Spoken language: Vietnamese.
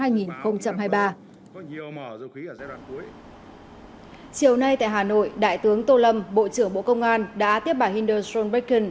chiều nay tại hà nội đại tướng tô lâm bộ trưởng bộ công an đã tiếp bả hinder john bracken